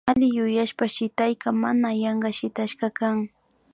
Alli yuyashpa shitaykaka mana yanka shitashka kan